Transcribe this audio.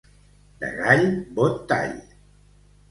De gall, bon tall.